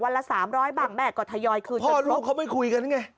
ละสามร้อยบ้างแม่ก็ทยอยคืนแต่ลูกเขาไม่คุยกันไง